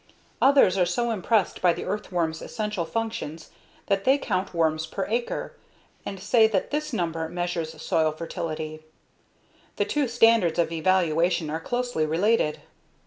Others are so impressed by the earthworm's essential functions that they count worms per acre and say that this number measures soil fertility. The two standards of evaluation are closely related.